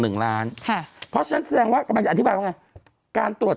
หนึ่งล้านพ่อหาจะแทนว่าจะการตรวจ